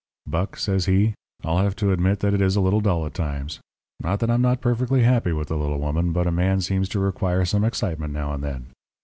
"'Buck,' says he, 'I'll have to admit that it is a little dull at times. Not that I'm not perfectly happy with the little woman, but a man seems to require some excitement now and then.